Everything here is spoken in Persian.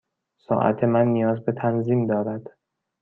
ساعت من نیاز به تنظیم دارد.